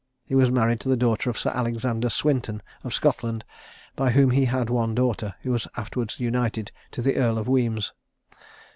He was married to the daughter of Sir Alexander Swinton, of Scotland, by whom he had one daughter, who was afterwards united to the Earl of Wemyss.